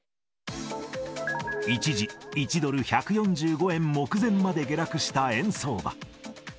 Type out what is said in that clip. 一時、１ドル１４５円目前まで下落した円相場。